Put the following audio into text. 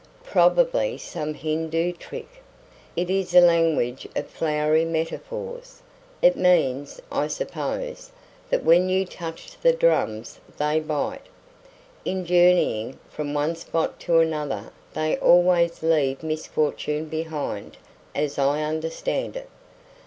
"Probably some Hindu trick. It is a language of flowery metaphors. It means, I suppose, that when you touch the drums they bite. In journeying from one spot to another they always leave misfortune behind, as I understand it.